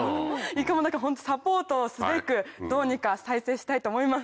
いかもサポートをすべくどうにか再生したいと思います。